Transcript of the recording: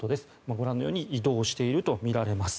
ご覧のように移動しているとみられます。